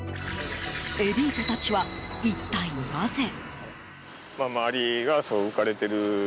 エリートたちは一体なぜ？